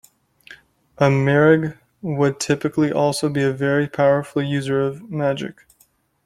A Meargh would typically also be a very powerful user of magic.